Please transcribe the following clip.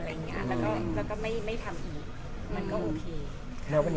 เราก็ไม่ทำอีกมันก็โอเค